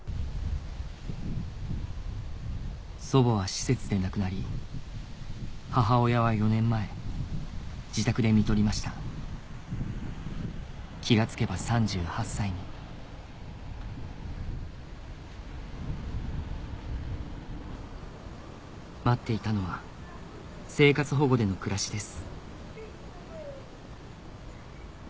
祖母は施設で亡くなり母親は４年前自宅でみとりました気が付けば３８歳に待っていたのは生活保護での暮らしです